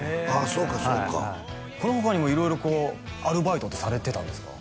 そうかそうかはいはいこの他にも色々こうアルバイトってされてたんですか？